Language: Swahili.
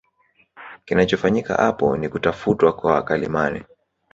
Kinachofanyika apo ni kutafutwa kwa wakalimani